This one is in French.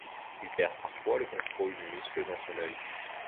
Il perd parfois le contrôle du muscle dans son œil.